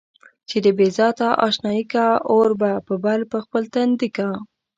چې د بې ذاته اشنايي کا اور به بل پر خپل تندي کا.